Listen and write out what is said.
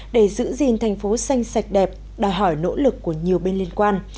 để giữ gìn thành phố xanh sạch đẹp đòi hỏi nỗ lực của nhiều bên liên quan